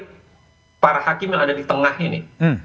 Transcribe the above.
karena itu saya kira bahwa para hakim yang ada di tengah ini